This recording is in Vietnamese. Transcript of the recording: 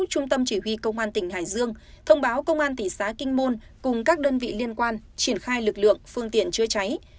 về công an tỉnh hải dương thông báo công an tỉ xã kinh môn cùng các đơn vị liên quan triển khai lực lượng phương tiện chữa cháy